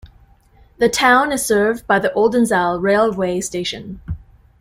The town is served by the Oldenzaal railway station.